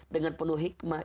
dengan penuh hikmah